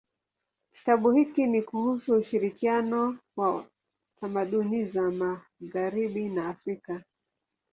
Kitabu hiki ni kuhusu ushirikiano wa tamaduni za magharibi na Afrika.